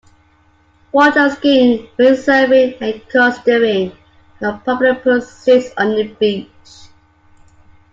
Water-skiing, windsurfing and coasteering are popular pursuits on the beach.